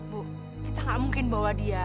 bu kita gak mungkin bawa dia